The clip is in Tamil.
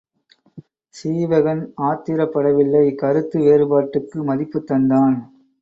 சீவகன் ஆத்திரப்படவில்லை கருத்து வேறு பாட்டுக்கு மதிப்புத் தந்தான்.